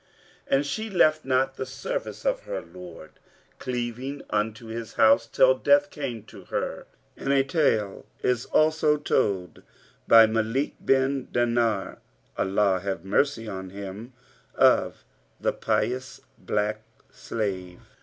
And she left not the service of her Lord, cleaving unto His House, till death came to her." And a tale is also told by Mαlik bin Dνnαr[FN#467] (Allah have mercy on him!) of THE PIOUS BLACK SLAVE.